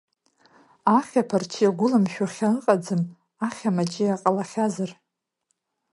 Ахьаԥарч игәылымшәо хьа ыҟаӡам, ахьа маҷиа ҟалахьазар!